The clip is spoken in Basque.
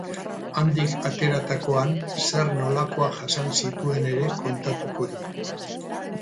Handik ateratakoan zer nolakoak jasan zituen ere kontatuko du.